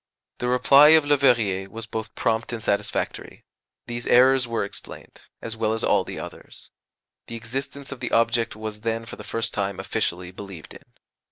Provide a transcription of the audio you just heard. The reply of Leverrier was both prompt and satisfactory these errors were explained, as well as all the others. The existence of the object was then for the first time officially believed in.